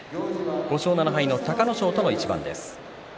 ５勝７敗の隆の勝との一番です。